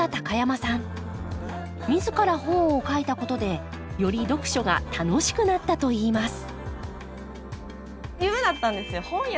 自ら本を書いたことでより読書が楽しくなったといいます